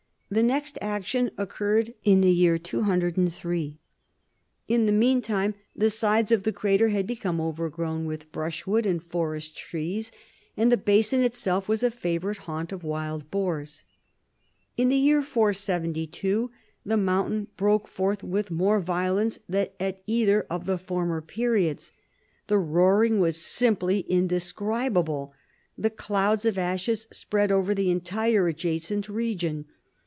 The next action occurred in the year 203. In the meantime the sides of the crater had become overgrown with brushwood and forest trees, and the basin itself was a favorite haunt of wild boars. In the year 472 the mountain broke forth with more violence than at either of the former periods. The roaring was simply indescribable. The clouds of ashes spread over the entire adjacent region.